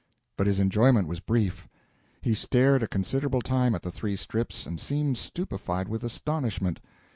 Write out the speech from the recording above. But his enjoyment was brief. He stared a considerable time at the three strips, and seemed stupefied with astonishment.